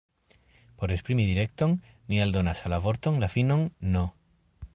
Por esprimi direkton, ni aldonas al la vorto la finon « n ».